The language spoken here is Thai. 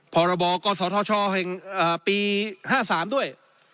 พบกศธปี๕๓ด้วย